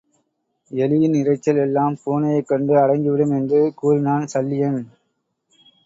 எலியின் இரைச்சல் எல்லாம் பூனையைக் கண்டு அடங்கிவிடும் என்று கூறினான் சல்லியன்.